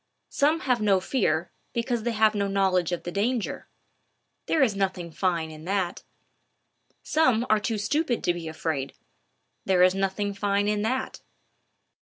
Some have no fear, because they have no knowledge of the danger: there is nothing fine in that. Some are too stupid to be afraid: there is nothing fine in that.